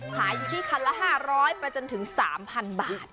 ขายอยู่ที่คันละ๕๐๐ไปจนถึง๓๐๐บาท